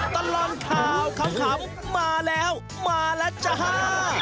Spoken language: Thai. ตลอดข่าวขำมาแล้วมาแล้วจ้า